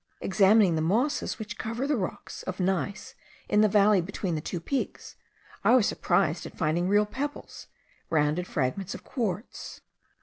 Examining the mosses which cover the rocks of gneiss in the valley between the two peaks, I was surprised at finding real pebbles, rounded fragments of quartz.